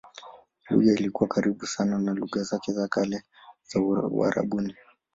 Lugha ilikuwa karibu sana na lugha za kale za Uarabuni.